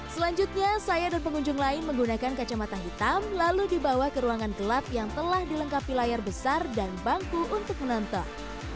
selanjutnya saya dan pengunjung lain menggunakan kacamata hitam lalu dibawa ke ruangan gelap yang telah dilengkapi layar besar dan bangku untuk menonton